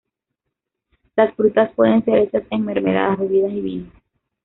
Las frutas pueden ser hechas en mermeladas, bebidas, y vinos.